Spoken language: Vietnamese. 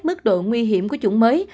mức độ nguy hiểm của chủng mới